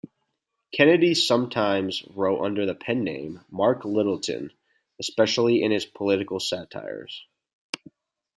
Kennedy sometimes wrote under the pen name "Mark Littleton", especially in his political satires.